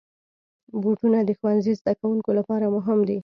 بوټونه د ښوونځي زدهکوونکو لپاره مهم دي.